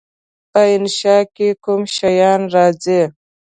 په انشأ کې کوم شیان راځي؟